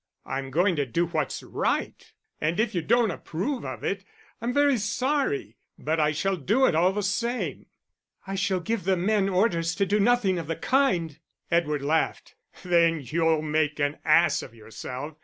"I'm going to do what's right; and if you don't approve of it, I'm very sorry, but I shall do it all the same." "I shall give the men orders to do nothing of the kind." Edward laughed. "Then you'll make an ass of yourself.